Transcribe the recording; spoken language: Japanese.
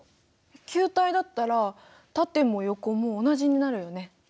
球体だったら縦も横も同じになるよね。